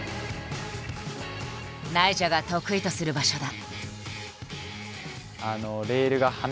ナイジャが得意とする場所だ。